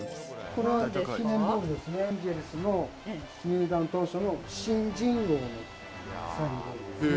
これは記念ボールですね、エンゼルスの入団当初の新人王のサインボールですね。